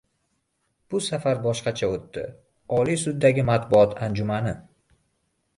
Bu safar boshqacha o‘tdi. Oliy suddagi matbuot anjumani